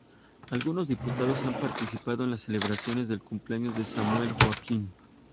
Algunos diputados han participado en las celebraciones del cumpleaños de Samuel Joaquín.